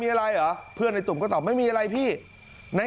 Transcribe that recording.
เขาเล่าบอกว่าเขากับเพื่อนเนี่ยที่เรียนกรสนด้วยกันเนี่ยไปสอบที่โรงเรียนปลูกแดงใช่ไหม